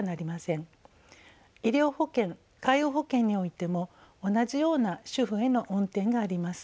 医療保険介護保険においても同じような主婦への恩典があります。